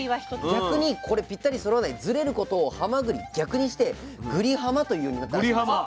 逆にこれぴったりそろわないズレることをはまぐり逆にしてぐりはまというようになったんですよ。